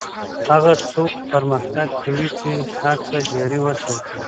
هغه څوک پرمختګ کوي چي هڅه جاري وساتي